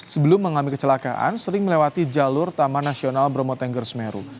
sebelum mengalami kecelakaan sering melewati jalur taman nasional bromo tengger semeru